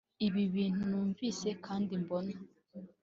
Ibi bintu numvise kandi mbona